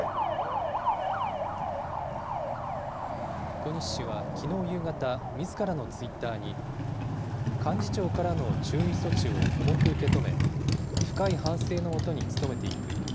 小西氏はきのう夕方、みずからのツイッターに、幹事長からの注意措置を重く受け止め、深い反省のもとに努めていく。